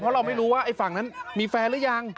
เพราะเราไม่รู้ว่าไอ้ฝั่งนั้นมีแฟนหรือยัง